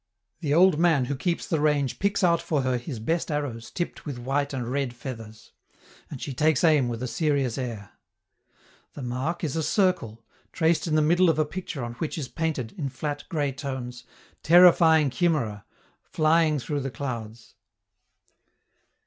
The old man who keeps the range picks out for her his best arrows tipped with white and red feathers and she takes aim with a serious air. The mark is a circle, traced in the middle of a picture on which is painted, in flat, gray tones, terrifying chimera flying through the clouds.